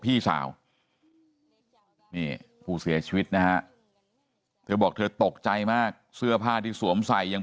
พี่สาวนี่ผู้เสียชีวิตนะฮะเธอบอกเธอตกใจมากเสื้อผ้าที่สวมใส่ยัง